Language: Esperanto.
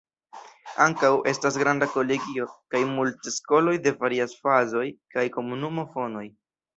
Ankaŭ, estas granda kolegio, kaj multe skoloj de varias fazoj kaj komunumo fonoj.